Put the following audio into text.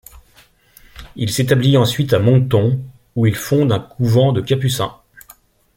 Il s'établit ensuite à Moncton, où il fonde un couvent de Capucins.